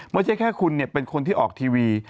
ไม่ใช่แค่คุณเป็นคนที่ออกทีวี